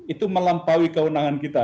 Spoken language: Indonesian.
itu melampaui kewenangan kita